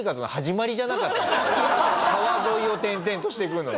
川沿いを転々としていくのは。